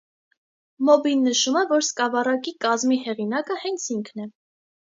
Մոբին նշում է, որ սկավառակի կազմի հեղինակը հենց ինքն է։